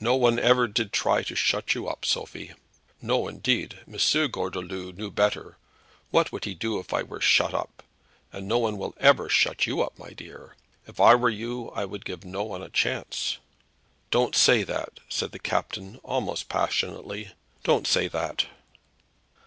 "No one ever did try to shut you up, Sophie!" "No, indeed; M. Gordeloup knew better. What would he do if I were shut up? And no one will ever shut you up, my dear. If I were you, I would give no one a chance." "Don't say that," said the captain, almost passionately; "don't say that."